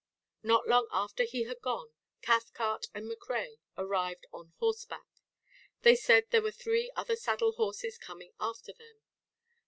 Not long after he had gone, Cathcart and MacRae arrived on horseback. They said there were three other saddle horses coming after them.